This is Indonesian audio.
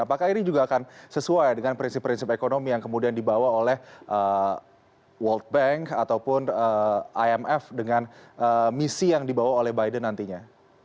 apakah ini juga akan sesuai dengan prinsip prinsip ekonomi yang kemudian dibawa oleh world bank ataupun imf dengan misi yang dibawa oleh biden nantinya